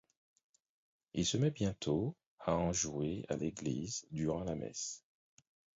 Il se met bientôt à en jouer à l'église, durant la messe.